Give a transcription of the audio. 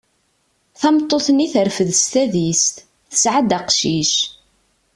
Tameṭṭut-nni terfed s tadist, tesɛa-d aqcic.